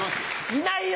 いないよ！